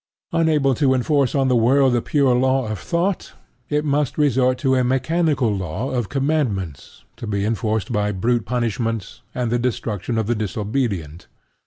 Unable to enforce on the world the pure law of thought, it must resort to a mechanical law of commandments to be enforced by brute punishments and the destruction of the disobedient.